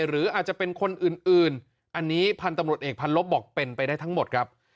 หรืออาจจะเป็นคนอื่นอันนี้พันธุ์ตำรวจเอกพันลบบอกเป็นไปได้ทั้งหมดครับ